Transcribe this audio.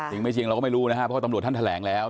จริงไม่จริงเราก็ไม่รู้นะครับเพราะตำรวจท่านแถลงแล้ว